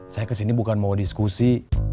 saya kesini bukan mau diskusi